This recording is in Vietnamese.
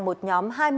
một nhóm hai mươi tám